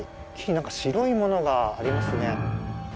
何か白いものがありますね。